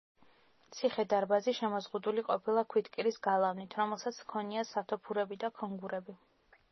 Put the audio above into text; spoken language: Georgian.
ციხე-დარბაზი შემოზღუდული ყოფილა ქვითკირის გალავნით, რომელსაც ჰქონია სათოფურები და ქონგურები.